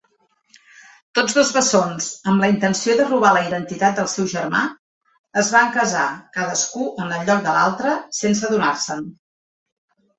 Tots dos bessons, amb la intenció de robar la identitat del seu germà, es van casar cadascú en el lloc de l'altre sense adonar-se'n.